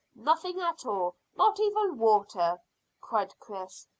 "Nothing at all; not even water," cried Chris.